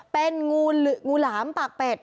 เป็นงูหลามปากเป็ด